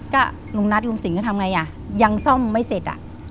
ก็ลุงนัทลุงสิงห์ทำไงอ่ะยังซ่อมไม่เสร็จอ่ะ